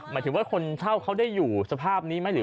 หมายถึงคนเจ้าเขาได้อยู่สภาพนี้ไหม